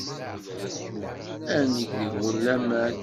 Ad neg deg-went laman.